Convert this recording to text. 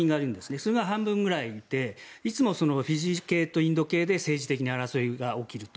それが半分ぐらいでいつもフィジー系とインド系で政治的に争いが起きると。